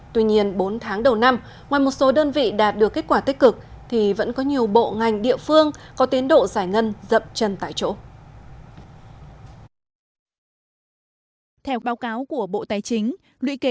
tuy nhiên bốn tháng đầu năm ngoài một số đơn vị đạt được kết quả tích cực thì vẫn có nhiều bộ ngành địa phương có tiến độ giải ngân dậm chân tại chỗ